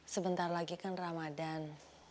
sebentar lagi kan ramadhan